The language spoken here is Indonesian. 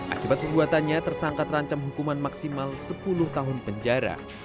akibat perbuatannya tersangka terancam hukuman maksimal sepuluh tahun penjara